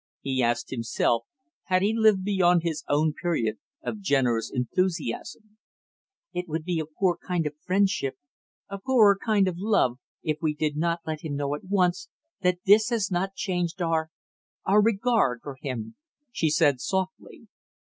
He asked himself, had he lived beyond his own period of generous enthusiasm? "It would be a poor kind of friendship, a poorer kind of love, if we did not let him know at once that this has not changed our our, regard for him!" she said softly.